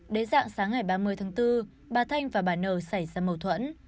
đến dạng sáng ngày ba mươi tháng bốn bà thanh và bà nở xảy ra mâu thuẫn